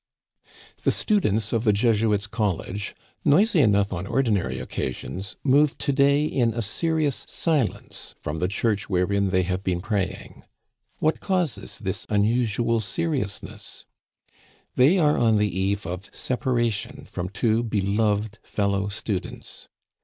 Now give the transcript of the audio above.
The students of the Jesuits' College, noisy enough Digitized by VjOOQIC 14 THE CANADIANS OF OLD. L on ordinary occasions, move to day in a serious silence from the church wherein they have been praying. What causes this unusual seriousness ? They are on the eve of separation from two beloved fellow students.